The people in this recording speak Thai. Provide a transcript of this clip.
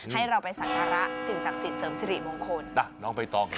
ให้เราไปสักการะสิ่งศักดิ์สิทธิเสริมสิริมงคลอ่ะน้องใบตองค่ะ